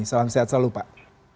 salam sehat selalu pak